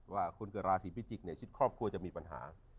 ว่าคนเกิดราศีพิจิกษ์ชิดครอบครัวจะมีปัญหา